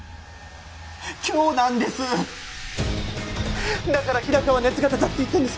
今日なんですだから日高は熱が出たって言ったんです